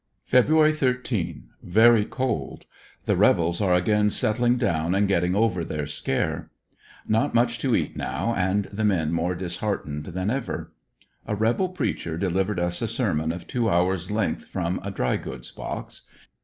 Feb. 13. — Very cold. The rebels are again settling down and get ting over their scare. Not much to eat now^ and the men more dis heartened than ever. A rebel preacher delivered us a sermon of two hours length from a dry goods box.